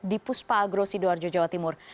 di puspa agro sidoarjo jawa timur